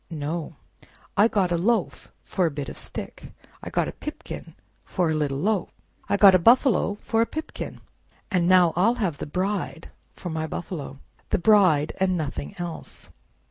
No! I got a loaf for a bit of stick; I got a pipkin for a little loaf; I got a buffalo for a pipkin; and now I'll have the Bride for my buffalo—the Bride, and nothing else!"